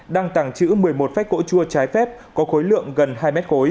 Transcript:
đang tẳng chữ một mươi một phách gỗ chua trái phép có khối lượng gần hai m